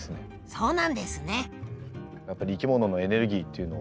そうなんですね。